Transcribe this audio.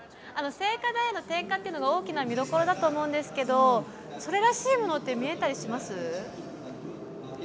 聖火台への点火が大きな見どころだと思うんですけどそれらしいものって見えたりします？